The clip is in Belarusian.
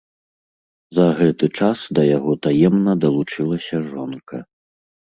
За гэты час да яго таемна далучылася жонка.